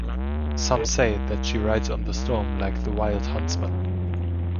Some say that she rides on the storm like the Wild Huntsman.